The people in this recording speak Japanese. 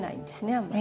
あんまり。